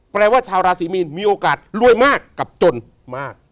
แปลว่าชาวราศีมีนมีโอกาสรวยมากกับจนมาก